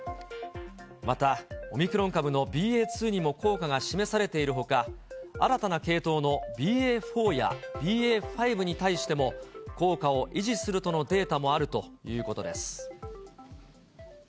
また、オミクロン株のＢＡ．２にも効果が示されているほか、新たな系統のＢＡ．４やＢＡ．５に対しても効果を維持するとのデータもあるということです。